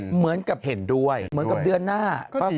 ๘๒เหมือนกับเดือนหน้า